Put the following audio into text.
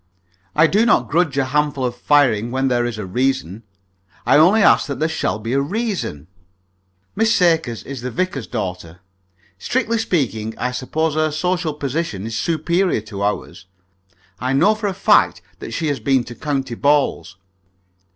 I do not grudge a handful of firing when there is a reason. I only ask that there shall be a reason." Miss Sakers is the vicar's daughter. Strictly speaking, I suppose her social position is superior to our own. I know for a fact that she has been to county balls.